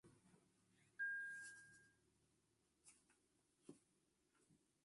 En honor al Patriarca, y para reconocer su contribución a las Artes Marciales Chinas.